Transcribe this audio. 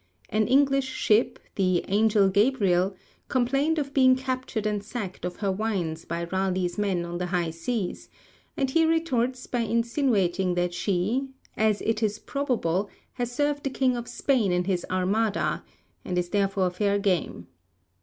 An English ship, the 'Angel Gabriel,' complained of being captured and sacked of her wines by Raleigh's men on the high seas, and he retorts by insinuating that she, 'as it is probable, has served the King of Spain in his Armada,' and is therefore fair game.